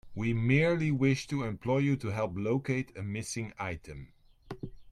We merely wish to employ you to help locate a missing item.